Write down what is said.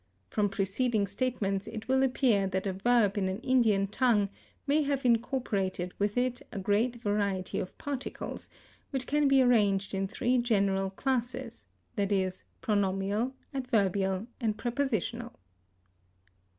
From preceding statements it will appear that a verb in an Indian tongue may have incorporated with it a great variety of particles, which can be arranged in three general classes, i.e., pronominal, adverbial, and prepositional.